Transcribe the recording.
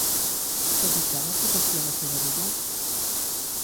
Desitjava posar fi a la seva vida?